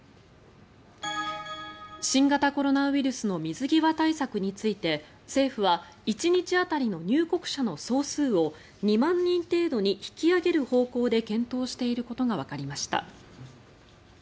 新型コロナウイルスの水際対策について政府は１日当たりの入国者の総数を２万人程度に引き上げる方向で検討していることがわかりました。